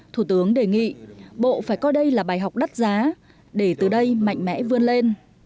thủ tướng đề nghị bộ phải coi đây là bài học đắt giá để từ đây mạnh mẽ vươn lên